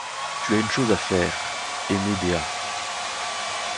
Tu as une chose à faire, aimer Dea.